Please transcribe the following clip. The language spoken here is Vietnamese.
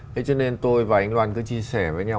thế cho nên tôi và anh loan cứ chia sẻ với nhau